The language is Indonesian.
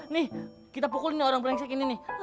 nih kita pukul orang berlengsek ini